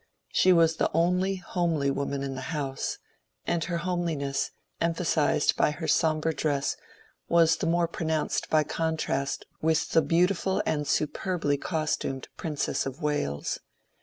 She was the only homely woman in the House, and her homeliness, emphasized by her sombre dress, was the more pronounced by contrast with the beautiful and superbly costumed Princess of Wales.